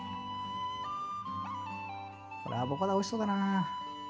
これアボカドおいしそうだな。